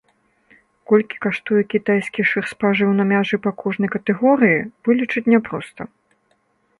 Колькі каштуе кітайскі шырспажыў на мяжы па кожнай катэгорыі, вылічыць няпроста.